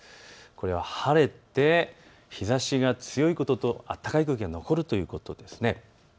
これは晴れて日ざしが強いことと暖かい空気が残るということです。